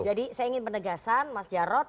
oke jadi saya ingin penegasan mas jarod